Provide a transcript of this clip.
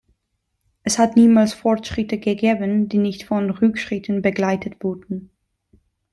Es hat niemals Fortschritte gegeben, die nicht von Rückschritten begleitet wurden.